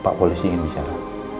pak polisi ingin bicara